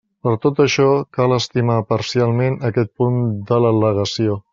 Per tot això, cal estimar parcialment aquest punt de l'al·legació.